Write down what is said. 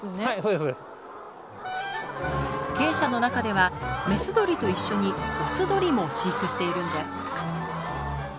鶏舎の中ではメス鶏と一緒にオス鶏も飼育しているんです